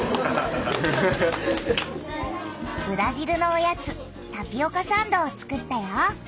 ブラジルのおやつタピオカサンドを作ったよ。